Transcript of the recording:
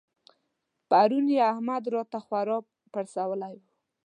پرون يې احمد راته خورا پړسولی وو.